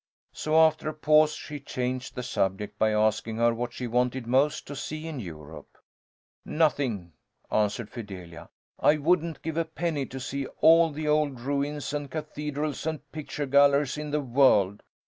So after a pause she changed the subject by asking her what she wanted most to see in Europe. "Nothing!" answered Fidelia. "I wouldn't give a penny to see all the old ruins and cathedrals and picture galleries in the world.